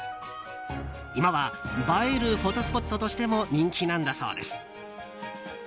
今は映えるフォトスポットとしても人気なんだそうです。